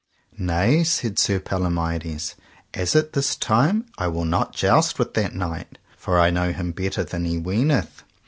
Nay, said Sir Palomides, as at this time I will not joust with that knight, for I know him better than he weeneth.